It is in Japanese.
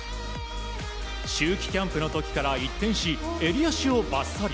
秋季キャンプの時から一転し襟足をばっさり。